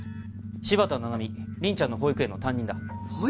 柴田七海凛ちゃんの保育園の担任だ。